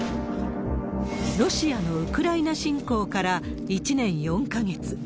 ロシアのウクライナ侵攻から１年４か月。